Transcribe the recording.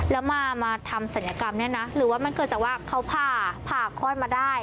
แล้วมาทำศัลยกรรมเนี่ยนะหรือว่ามันเกิดจากว่าเขาผ่าคลอดมาได้